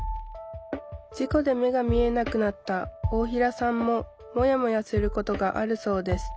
事故で目が見えなくなった大平さんもモヤモヤすることがあるそうです